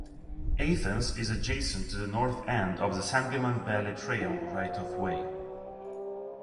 Athens is adjacent to the north end of the Sangamon Valley Trail right-of-way.